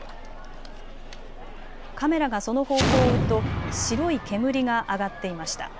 カメラがその方向を追うと白い煙が上がっていました。